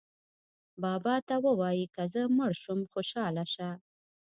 بابا ته ووایئ که زه مړه شوم خوشاله شه.